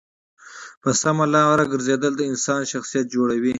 په سمه لاره گرځېدل د انسان شخصیت جوړوي.